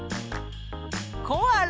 コアラ。